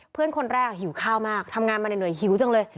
คนแรกหิวข้าวมากทำงานมาเหนื่อยหิวจังเลย